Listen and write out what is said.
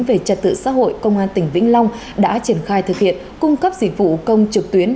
về trật tự xã hội công an tỉnh vĩnh long đã triển khai thực hiện cung cấp dịch vụ công trực tuyến